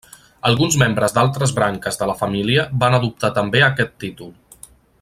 Alguns membres d'altres branques de la família van adoptar també aquest títol.